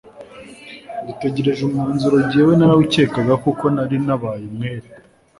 dutegereje umwanzuro jyewe narawukekaga kuko nari nabaye umwere